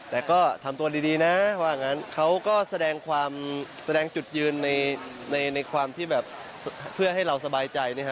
แต่ก็ทำตัวดีนะว่างั้นเขาก็แสดงความแสดงจุดยืนในความที่แบบเพื่อให้เราสบายใจนะฮะ